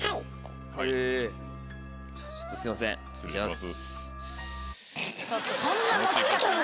すいません失礼します。